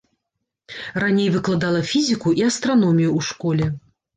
Раней выкладала фізіку і астраномію ў школе.